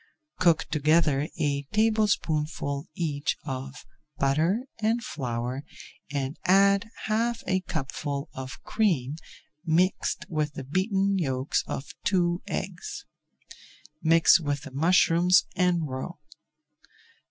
Cook together a tablespoonful each of butter and flour and add half a cupful of cream mixed with the beaten yolks of two eggs. Mix with the mushrooms and roe.